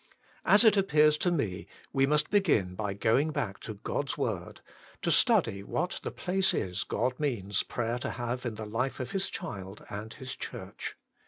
As it appears to me, we must begin by going back to God s Word, to study what the place is God means prayer to have in the life of His child and His Church.